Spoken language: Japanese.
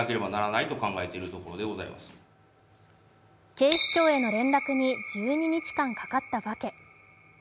警視庁への連絡に１２日間、かかったわけ。